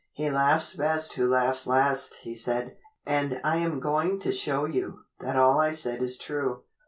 "He laughs best who laughs last," he said, "and I am going to show you that all I said is true.